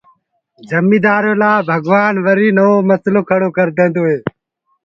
جميندآرو لآ ڀگوآن وري نوو مسلو کڙو ڪرديندو هي